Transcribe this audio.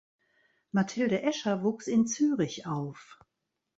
Mathilde Escher wuchs in Zürich auf.